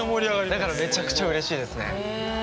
だからめちゃくちゃうれしいですね。